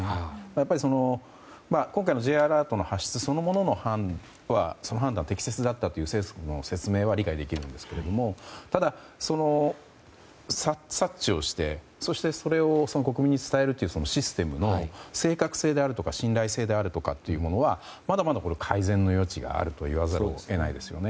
やはり、今回のＪアラートの発出そのものの判断は適切だったという政府の説明は理解できるんですがただ、察知をしてそしてそれを国民に伝えるというシステムの正確性であるとか信頼性であるものはまだまだ改善の余地があると言わざるを得ないですよね。